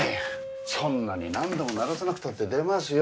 そんなに何度も鳴らさなくたって出ますよ。